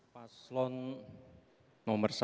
paslon nomor satu dan tim suksesnya